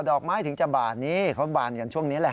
ดอกไม้ถึงจะบานนี้เขาบานกันช่วงนี้แหละฮ